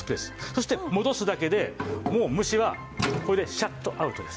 そして戻すだけでもう虫はこれでシャットアウトです。